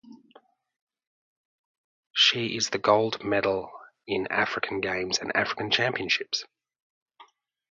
She is the gold medalist in African Games and African Championships.